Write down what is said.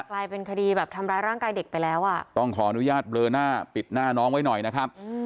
กลายเป็นคดีแบบทำร้ายร่างกายเด็กไปแล้วอ่ะต้องขออนุญาตเบลอหน้าปิดหน้าน้องไว้หน่อยนะครับ